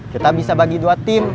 kita bisa bagi dua tim